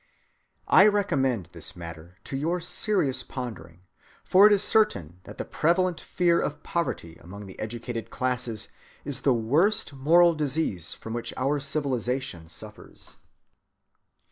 I recommend this matter to your serious pondering, for it is certain that the prevalent fear of poverty among the educated classes is the worst moral disease from which our civilization suffers.